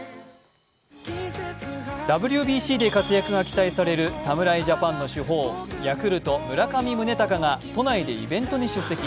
ＷＢＣで活躍が期待される侍ジャパンの主砲ヤクルト・村上宗隆が都内でイベントに出席。